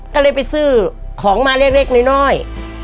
ก็เลยไปซื้อของมาเล็กน้อย